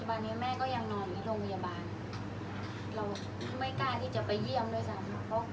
อันไหนที่มันไม่จริงแล้วอาจารย์อยากพูด